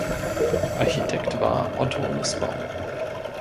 Architekt war Otto Nußbaum.